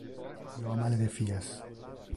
Io ama le defias.